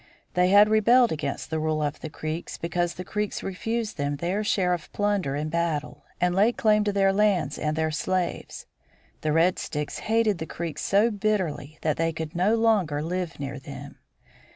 They had rebelled against the rule of the Creeks, because the Creeks refused them their share of plunder in battle, and laid claim to their lands and their slaves. The Red Sticks hated the Creeks so bitterly that they could no longer live near them.